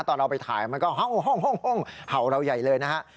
ตอนเราไปถ่ายมันก็ห้องเห่าเราใหญ่เลยนะฮะ